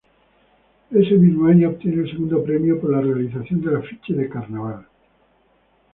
Ese mismo año obtiene el segundo premio por la realización del afiche de Carnaval.